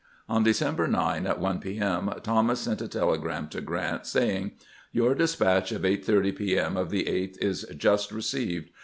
On December 9, at 1 p. M., Thomas sent a telegram to Grant, saying: " Your despatch of 8 : 30 p. M. of the 8th is just received.